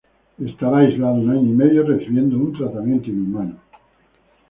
Estará aislado un año y medio, recibiendo un tratamiento inhumano.